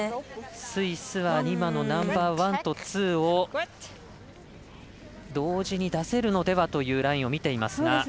スイスは今のナンバーワンとツーを同時に出せるのではというラインを見ていますが。